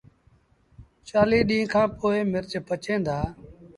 چآليٚه ڏيݩهآݩ کآݩ پو مرچ پچيٚن دآ